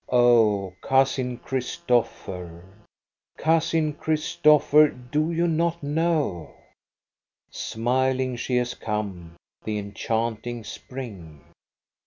Oh, Cousin Christopher, Cousin Christopher, do lu not know? Smiling she has come, the enchanting spring.